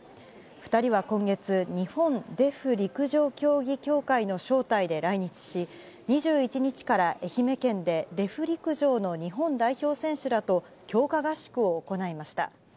２人は今月、日本デフ陸上競技協会の招待で来日し、２１日から愛媛県でデフ陸上の日本代表選手らと、強化合宿を行いました。